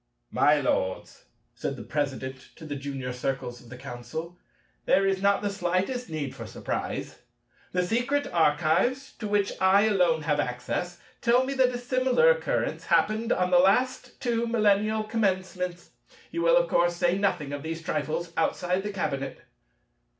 "My Lords," said the President to the Junior Circles of the Council, "there is not the slightest need for surprise; the secret archives, to which I alone have access, tell me that a similar occurrence happened on the last two millennial commencements. You will, of course, say nothing of these trifles outside the Cabinet."